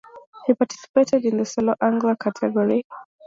He participated in the Solo-Angler category.